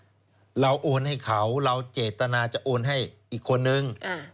เราโอนให้เขาเราเจตนาจะโอนให้อีกคนนึง